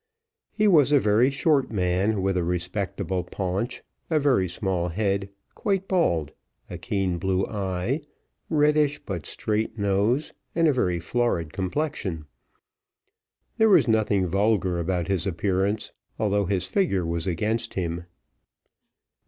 He was a very short man, with a respectable paunch, a very small head, quite bald, a keen blue eye, reddish but straight nose, and a very florid complexion. There was nothing vulgar about his appearance, although his figure was against him.